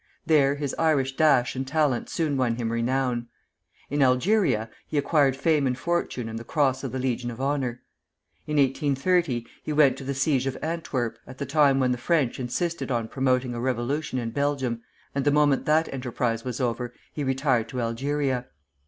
There his Irish dash and talent soon won him renown. In Algeria he acquired fame and fortune and the Cross of the Legion of Honor. In 1830 he went to the siege of Antwerp, at the time when the French insisted on promoting a revolution in Belgium, and the moment that enterprise was over, he retired to Algeria.